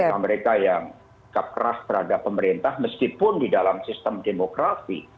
pada saat mereka yang rak keras terhadap pemerintah meskipun di dalam sistem demokrasi